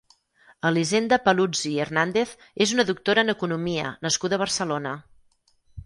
Elisenda Paluzie i Hernández és una doctora en economia nascuda a Barcelona.